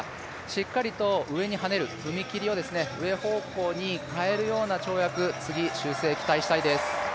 しっかりと上にはねる踏み切りを上方向に変えるような跳躍次、修正期待したいです。